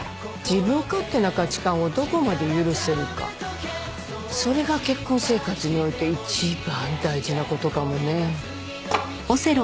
自分勝手な価値観をどこまで許せるかそれが結婚生活において一番大事な事かもね。